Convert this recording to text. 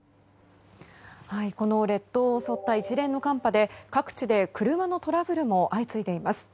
この列島を襲った一連の寒波で各地で車のトラブルも相次いでいます。